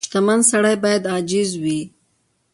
• شتمن سړی باید عاجز وي.